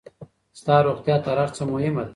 ستا روغتيا تر هر څۀ مهمه ده.